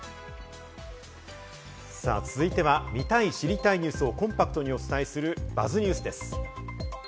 続いては、見たい、知りたいニュースをコンパクトにお伝えする「ＢＵＺＺニュース」です。